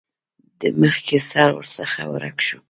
د مخکې سر ورڅخه ورک شو.